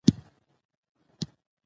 هغه په ډېر درد سره له اصفهانه رخصت شو.